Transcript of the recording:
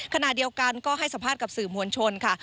ขณะเดียวกันก็ให้สัมภาษณ์กับสื่อมวลชนค่ะ